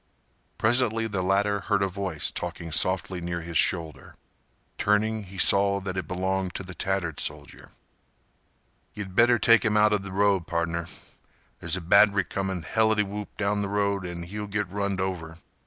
Presently the latter heard a voice talking softly near his shoulder. Turning he saw that it belonged to the tattered soldier. "Ye'd better take 'im outa th' road, pardner. There's a batt'ry comin' helitywhoop down th' road an' he'll git runned over.